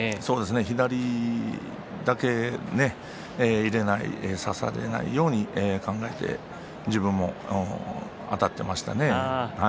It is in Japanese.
左だけ差されないように考えて自分もあたっていました。